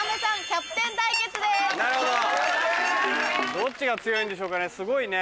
どっちが強いんでしょうかねすごいね。